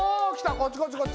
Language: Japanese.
こっちこっちこっち。